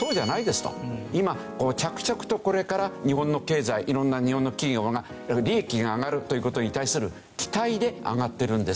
「今こう着々とこれから日本の経済色んな日本の企業が利益が上がるという事に対する期待で上がってるんです」。